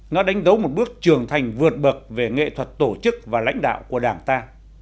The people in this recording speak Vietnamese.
nó đánh dấu một bước trưởng thành vượt bậc về nghệ thuật tổ chức và lãnh đạo của đảng ta